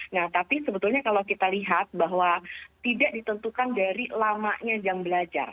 nah tapi sebetulnya kalau kita lihat bahwa tidak ditentukan dari lamanya jam belajar